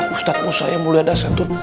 ustazmu saya mulia dasantun